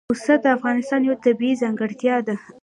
پسه د افغانستان یوه طبیعي ځانګړتیا ده.